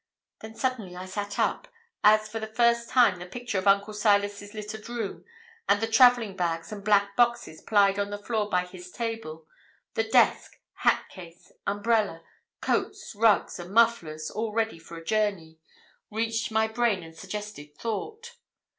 Then suddenly I sat up, as for the first time the picture of Uncle Silas's littered room, and the travelling bags and black boxes plied on the floor by his table the desk, hat case, umbrella, coats, rugs, and mufflers, all ready for a journey reached my brain and suggested thought.